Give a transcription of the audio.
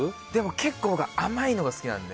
結構甘いのが好きなので。